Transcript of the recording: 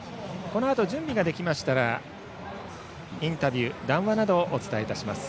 準備ができましたらインタビュー、談話などをお伝えいたします。